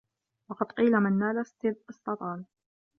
وَقَدْ قِيلَ مَنْ نَالَ اسْتَطَالَ